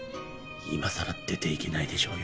いまさら出ていけないでしょうよ。